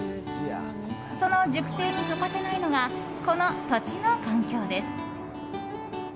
その熟成に欠かせないのがこの土地の環境です。